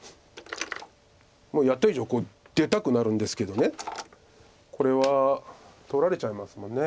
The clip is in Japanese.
もうやった以上出たくなるんですけどこれは取られちゃいますもんね。